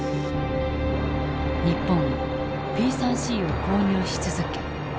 日本はＰ３Ｃを購入し続け